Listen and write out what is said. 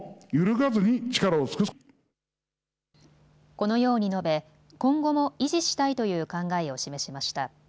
このように述べ今後も維持したいという考えを示しました。